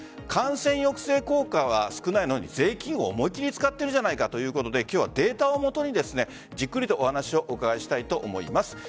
感染抑制効果は少ないのに税金は思いっきり使っているじゃないかということでデータをもとにじっくりとお話を伺いたいと思います。